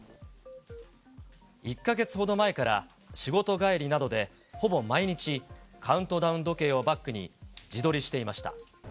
１か月ほど前から、仕事帰りなどで、ほぼ毎日、カウントダウン時計をバックに、自撮りしていました。